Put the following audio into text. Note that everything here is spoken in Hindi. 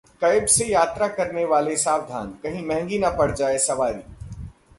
कैब से यात्रा करने वाले सावधान, कहीं महंगी न पड़ जाए सवारी